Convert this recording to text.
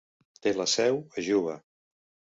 Té la seu a Juba.